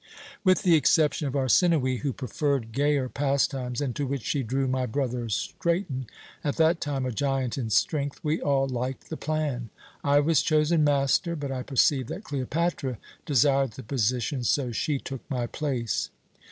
"With the exception of Arsinoë, who preferred gayer pastimes, into which she drew my brother Straton at that time a giant in strength we all liked the plan. I was chosen master, but I perceived that Cleopatra desired the position, so she took my place.